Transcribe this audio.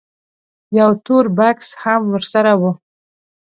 یو تور بکس هم ورسره و.